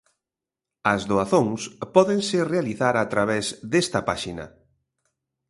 As doazóns pódense realizar a través desta páxina.